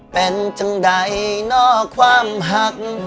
เป็นจังใดนอกความหัก